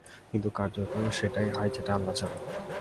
কিন্তু কার্যত সেটাই হয় যেটা আল্লাহ চান।